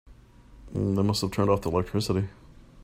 They must have turned off the electricity.